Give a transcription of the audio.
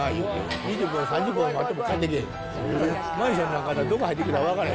２０分、３０分待っても帰ってけえへん。